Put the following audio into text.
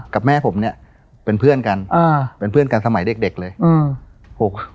กับแม่ผมเนี้ยเป็นเพื่อนกันอ่าเป็นเพื่อนกันสมัยเด็กเด็กเลยอืม